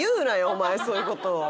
お前そういう事を。